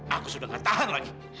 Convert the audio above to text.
aku sudah gak tahan lagi